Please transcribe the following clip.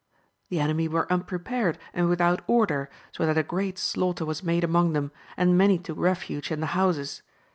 The enemy were unprepared and without order, so that a great slaugh ter was made among them, and many took refuge in the houses.